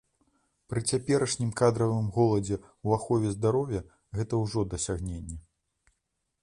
Пры цяперашнім кадравым голадзе ў ахове здароўя гэта ўжо дасягненне.